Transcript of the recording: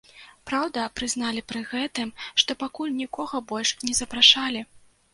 Праўда прызналі пры гэтым, што пакуль нікога больш не запрашалі.